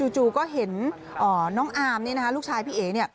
จู่ก็เห็นน้องอาร์มนี่นะคะลูกชายพี่เอ๋นี่